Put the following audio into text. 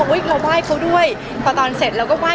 ว่าว่าว่ายเขาเป็นเขาด้วย